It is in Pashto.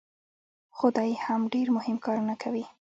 خو دی هم ډېر مهم کارونه کوي.